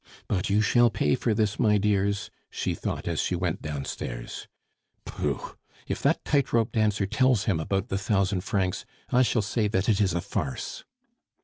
But you shall pay for this, my dears," she thought as she went down stairs. "Pooh! if that tight rope dancer tells him about the thousand francs, I shall say that it is a farce."